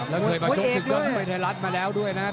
แล้วเคยมาชกศึกยอดมวยไทยรัฐมาแล้วด้วยนะครับ